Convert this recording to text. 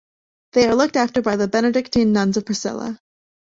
They are looked after by the Benedictine nuns of Priscilla.